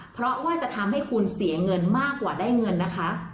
เพราะว่าจะทำให้คุณเสียเงินมากกว่าได้เงินนะคะ